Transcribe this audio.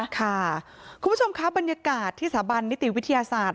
คุณผู้ชมครับบรรยากาศที่สถาบันนิติวิทยาศาสตร์